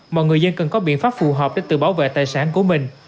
mọi người dân cần có biện pháp phù hợp để tự bảo vệ tài sản của mình